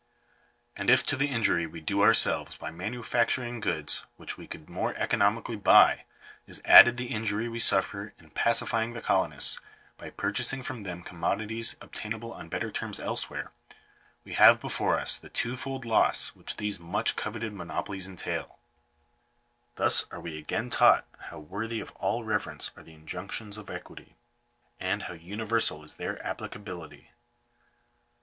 And if to the injury we do ourselves by manufacturing goods which we •could more economically buy, is added the injury we suffer in pacifying the colonists, by purchasing firom them commodities obtainable on better terms elsewhere, we have before us the twofold loss which these much coveted monopolies entail. Digitized by VjOOQIC 364 GOVERNMENT COLONIZATION. Thus are we again taught how worthy of all reverence are the injunctions of equity, and how universal is their applica bility.